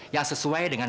yang sesuai dengan